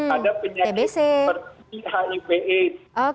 ada penyakit seperti hiv aids